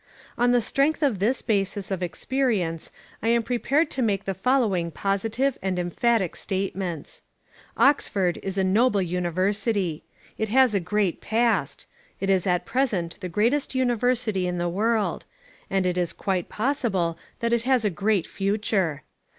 On the strength of this basis of experience I am prepared to make the following positive and emphatic statements. Oxford is a noble university. It has a great past. It is at present the greatest university in the world: and it is quite possible that it has a great future.